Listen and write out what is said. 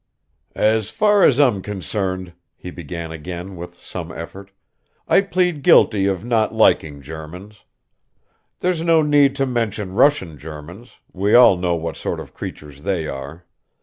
"As far as I'm concerned," he began again with some effort, "I plead guilty of not liking Germans. There's no need to mention Russian Germans, we all know what sort of creatures they are.